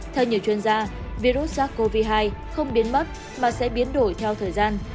theo nhiều chuyên gia virus sars cov hai không biến mất mà sẽ biến đổi theo thời gian